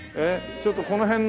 ちょっとこの辺の。